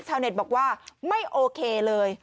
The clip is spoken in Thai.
เน็ตบอกว่าไม่โอเคเลย